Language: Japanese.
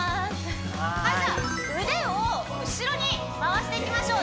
はいじゃあ腕を後ろに回していきましょう